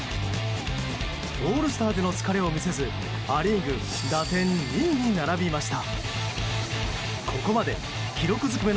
オールスターでの疲れを見せずア・リーグ打点２位に並びました。